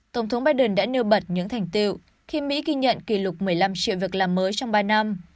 tổng thống biden đã nêu bật những thành tiệu khi mỹ ghi nhận kỷ lục một mươi năm triệu việc làm mới trong ba năm